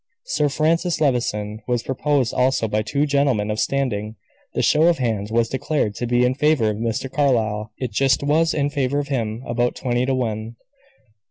Sir Francis Levison was proposed also by two gentlemen of standing. The show of hands was declared to be in favor of Mr. Carlyle. It just was in favor of him; about twenty to one.